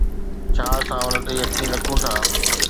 ڇا اسان ان تي يقين رکون ٿا؟